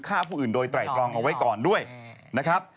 ฆ่าผู้อื่นโดยไตรตรองเอาไว้ก่อนด้วยนะครับ